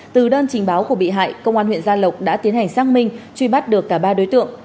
từ đơn trình báo của bị hại công an huyện gia lộc đã tiến hành xác minh truy bắt được cả ba đối tượng